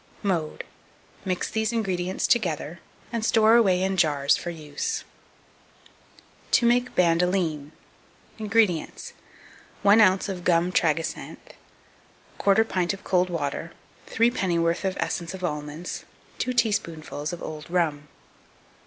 Mode. Mix these ingredients together, and store away in jars for use. To make Bandoline. 2555. INGREDIENTS. 1 oz. of gum tragacanth, 1/4 pint of cold water, 3 pennyworth of essence of almonds, 2 teaspoonfuls of old rum.